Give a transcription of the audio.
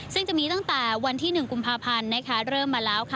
ซึ่งจะมีตั้งแต่วันที่๑กุมภาพันธ์เริ่มมาแล้วค่ะ